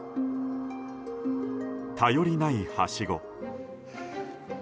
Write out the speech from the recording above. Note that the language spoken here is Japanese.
頼りないはしご。